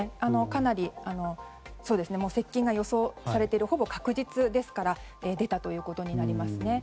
かなり接近が予想されているほぼ確実ですから出たということになりますね。